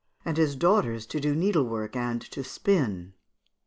and his daughters to do needlework and to spin.